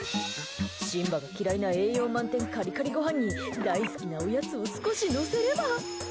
シンバが嫌いな栄養満点カリカリごはんに大好きなおやつを少しのせれば。